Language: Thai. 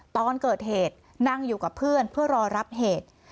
ตอนเกิดเหตุนั่งอยู่กับเพื่อนเพื่อรอรับเหตุ